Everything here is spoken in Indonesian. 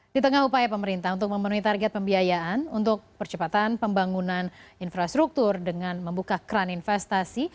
di tengah upaya pemerintah untuk memenuhi target pembiayaan untuk percepatan pembangunan infrastruktur dengan membuka kran investasi